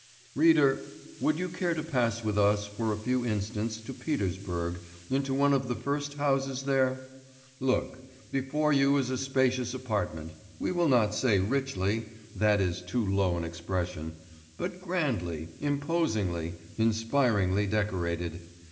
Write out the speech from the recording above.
Reader, would you care to pass with us for a few instants to Petersburg into one of the first houses there? Look; before you is a spacious apartment, we will not say richly that is too low an expression but grandly, imposingly, inspiringly decorated.